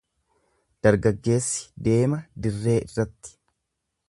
Dargaggeessi deema dirree irratti.